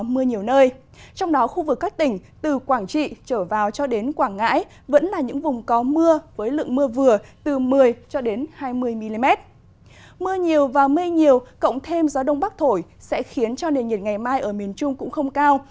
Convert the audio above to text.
mưa nhiều và mây nhiều cộng thêm gió đông bắc thổi sẽ khiến cho nền nhiệt ngày mai ở miền trung cũng không cao